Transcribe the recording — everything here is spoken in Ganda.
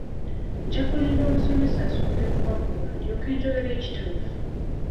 Nja kulinda omusomesa asooke kubakuba ndyoke njogere ekituufu.